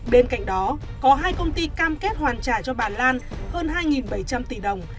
bên cạnh đó có hai công ty cam kết hoàn trả cho bà lan hơn hai bảy trăm linh tỷ đồng